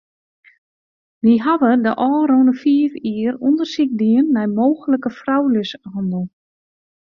Wy hawwe de ôfrûne fiif jier ûndersyk dien nei mooglike frouljushannel.